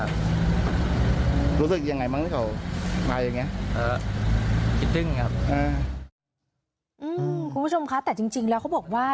คุณผู้ชมคะแต่จริงแล้วเขาบอกว่า